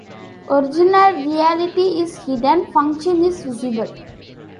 Original reality is hidden, function is visible.